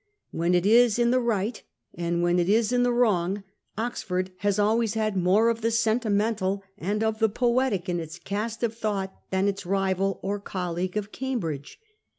When it is in the right, and when it is in the wrong, Oxford has always had more of the sentimental and of the poetic in its cast of thought than its rival or colleague of Cambridge.